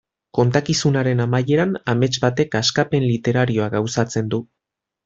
Kontakizunaren amaieran, amets batek askapen literarioa gauzatzen du.